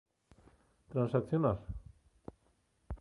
¿Transaccionar?